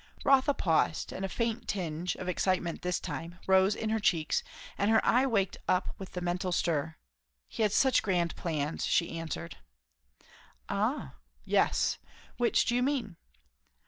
Rotha paused, and a faint tinge, of excitement this time, rose again in her cheeks, and her eye waked up with the mental stir. "He had such grand plans," she answered. "Ah? yes. Which do you mean?"